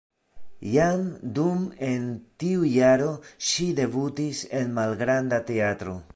Jam dum en tiu jaro ŝi debutis en malgranda teatro.